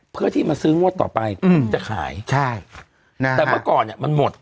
เพื่อที่มาซื้องวดต่อไปอืมจะขายใช่แต่เมื่อก่อนเนี้ยมันหมด